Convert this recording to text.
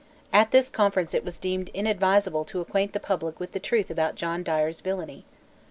At this conference it was deemed inadvisable to acquaint the public with the truth about John Dyer's villainy.